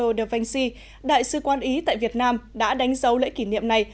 leonardo da vinci đại sư quan ý tại việt nam đã đánh dấu lễ kỷ niệm này